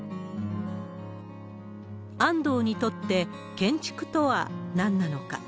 安藤にとって建築とは何なのか。